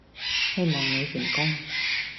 希望你成功